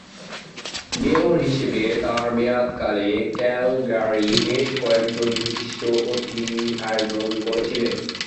Mayor হিসেবে তার মেয়াদকালে, ক্যালগারি বেশ কয়েকজন বিশিষ্ট অতিথির আয়োজন করেছিলেন।